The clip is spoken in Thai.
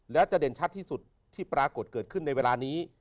และจะเด่นชัดที่สุดที่ปรากฏเกิดขึ้นในเวลานี้